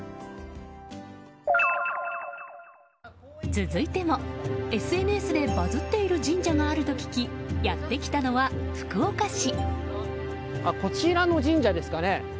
続いても、ＳＮＳでバズっている神社があると聞きやってきたのは福岡市。